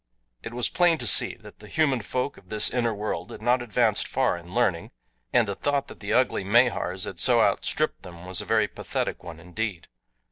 It was plain to see that the human folk of this inner world had not advanced far in learning, and the thought that the ugly Mahars had so outstripped them was a very pathetic one indeed.